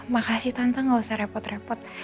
makasih tantangan gak usah repot repot